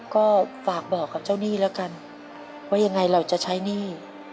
ก็ฝากบอกกับเจ้าหนี้แล้วกันว่ายังไงเราจะใช้หนี้